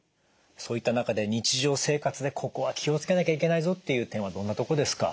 そういった中で日常生活でここは気を付けなきゃいけないぞっていう点はどんなとこですか？